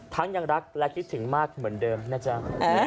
ยังรักและคิดถึงมากเหมือนเดิมนะจ๊ะ